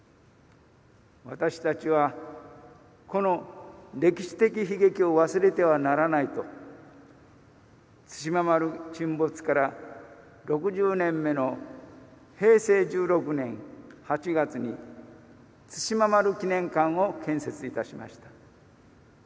私たちは、この歴史的悲劇を忘れてはならないと「対馬丸」沈没から６０年目の平成１６年８月に対馬丸記念館を建設いたしました。